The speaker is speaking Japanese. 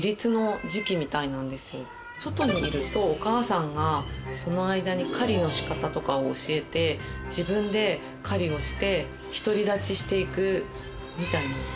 外にいるとお母さんがその間に狩りの仕方とかを教えて自分で狩りをして独り立ちしていくみたいなんですね。